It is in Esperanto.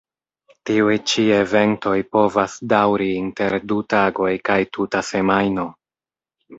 Tiuj ĉi eventoj povas daŭri inter du tagoj kaj tuta semajno.